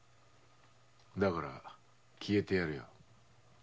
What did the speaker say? だから消えてやるよ。